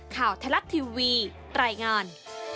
ข่าวทลักษณ์ทีวีไตรงาน